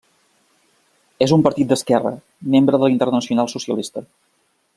És un partit d'esquerra, membre de la Internacional socialista.